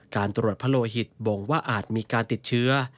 การตรวจพะโลหิตบ่งว่าอาจมีการติดเชื้อ